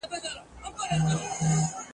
چي تړلي مدرسې وي د پنجاب د واسکټونو ..